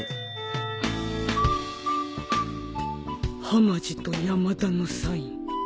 はまじと山田のサイン。